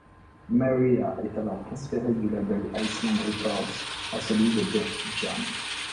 Mariah est alors transférée du label Island Records à celui de Def Jam.